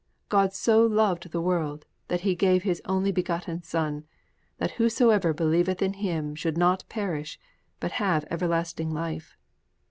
'_God so loved the world that He gave His only begotten Son that whosoever believeth in Him should not perish, but have everlasting life.